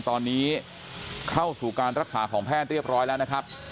ตอนนี้เข้าสู่การรักษาของแพทย์เรียบร้อยแล้วนะครับ